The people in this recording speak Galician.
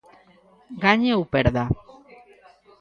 Gañe ou perda?